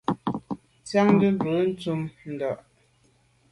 Tsiante ndùb be ntùm ndà.